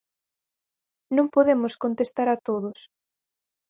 Non podemos contestar a todos.